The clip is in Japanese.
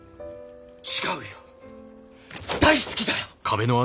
違うよ大好きだよ！